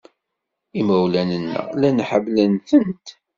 Imawlan-nneɣ llan ḥemmlen-tent.